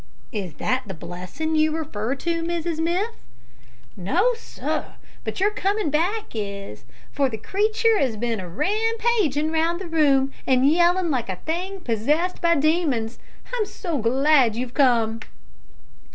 "Is that the blessing you refer to, Mrs Miff?" "No, sir; but your comin' back is, for the creetur 'as bin rampagin' round the room, an yellin' like a thing possessed by demons. I'm so glad you've come!"